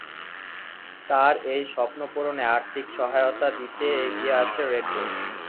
তার এই স্বপ্ন পূরণে আর্থিক সহায়তা দিতে এগিয়ে আসে রেড বুল।